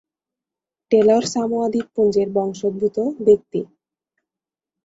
Taylor Samoa দ্বীপপুঞ্জের বংশোদ্ভূত ব্যক্তি।